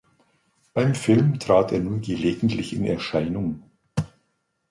Beim Film trat er nur gelegentlich in Erscheinung.